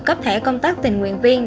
cấp thẻ công tác tình nguyện viên